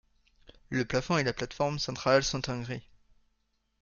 Le plafond et la plate-forme centrale sont en gris.